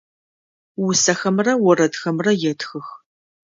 Усэхэмрэ орэдхэмрэ етхых.